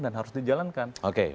dan harus dijalankan